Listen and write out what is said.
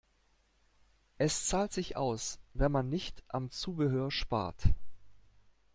Es zahlt sich aus, wenn man nicht am Zubehör spart.